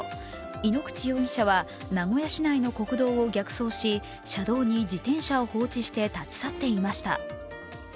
井ノ口容疑者は名古屋市内の国道を逆走し車道に自転車を放置して立ち去っていました。